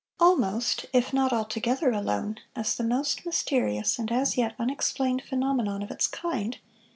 "Almost if not altogether alone, as the most mysterious and as yet unexplained phenomenon of its kind